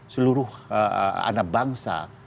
seluruh anak bangsa